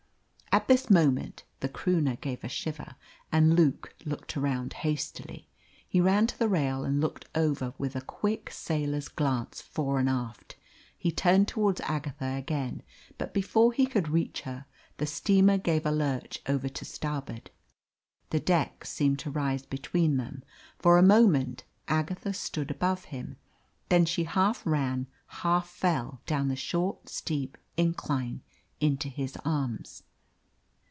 At this moment the Croonah gave a shiver, and Luke looked round hastily. He ran to the rail and looked over with a quick sailor's glance fore and aft. He turned towards Agatha again, but before he could reach her the steamer gave a lurch over to starboard. The deck seemed to rise between them. For a moment Agatha stood above him, then she half ran, half fell, down the short steep incline into his arms.